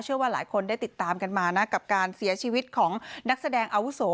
ว่าหลายคนได้ติดตามกันมานะกับการเสียชีวิตของนักแสดงอาวุโส